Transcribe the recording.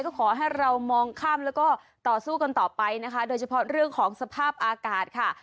ก็ขอให้เรามองข้ามแล้วก็ต่อสู้กันต่อไปนะคะโดยเฉพาะเรื่องของสภาพอากาศค่ะ